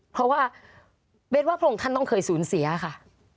เพราะว่าเบ้นว่าพระองค์ท่านต้องเคยสูญเสียค่ะ